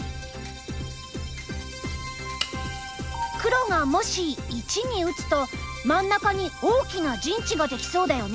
黒がもし①に打つと真ん中に大きな陣地ができそうだよね。